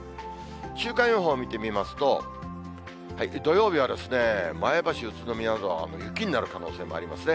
週間予報を見てみますと、土曜日は前橋、宇都宮などは雪になる可能性もありますね。